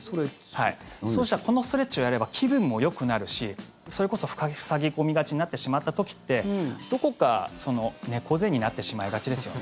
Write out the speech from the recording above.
そうしたらこのストレッチをやれば気分もよくなるしそれこそ、塞ぎ込みがちになってしまった時ってどこか猫背になってしまいがちですよね。